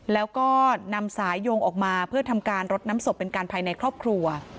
แล้วก็นำสายโยงออกมาเพื่อทำการรดน้ำศพเป็นการภายในครอบครัว